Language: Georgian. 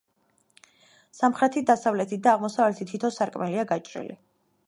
სამხრეთით, დასავლეთით და აღმოსავლეთით თითო სარკმელია გაჭრილი.